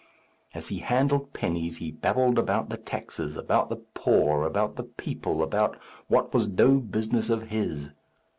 As he handled pennies he babbled about the taxes, about the poor, about the people, about what was no business of his.